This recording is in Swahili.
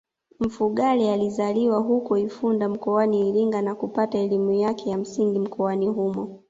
Mfugale alizaliwa huko Ifunda mkoani Iringa na kupata elimu yake ya msingi mkoani humo